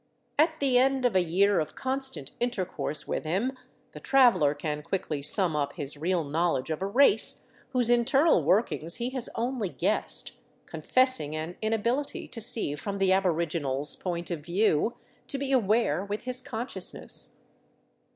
At the end of a year of constant intercourse with him the traveler can quickly sum up his real knowledge of a race whose internal workings he has only guessed, confessing an inability to see from the aboriginal's point of view, to be aware with his con sciousness.